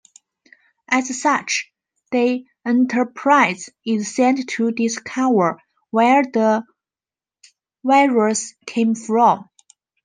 As such, the "Enterprise" is sent to discover where the virus came from.